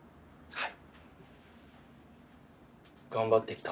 はい。